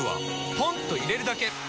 ポンと入れるだけ！